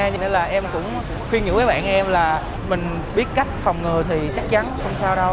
cho nên là em cũng khuyên nhữ với bạn em là mình biết cách phòng ngừa thì chắc chắn không sao đâu